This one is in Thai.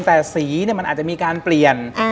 แต่สีมันอาจจะมีการเปลี่ยน